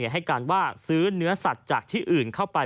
ให้การว่าซื้อเนื้อสัตว์จากที่อื่นเข้าไป